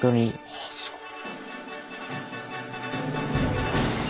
あすごい。